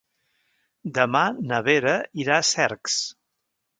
Demà na Vera irà a Cercs.